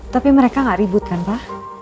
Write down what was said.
tapi mereka gak ribut kan pak